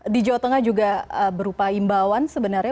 di jawa tengah juga berupa imbauan sebenarnya